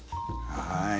はい。